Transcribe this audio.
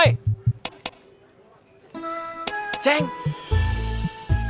ya sayang yuk